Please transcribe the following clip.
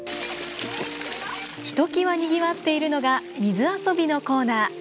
ひときわにぎわっているのが水遊びのコーナー。